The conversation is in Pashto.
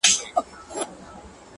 ما په تمه د درملو ورته عُمر دی خوړلی-